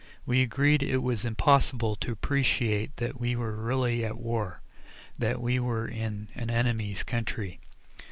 We agreed it was impossible to appreciate that we were really at war that we were in the enemy's country.